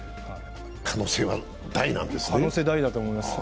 可能性は大なんですね？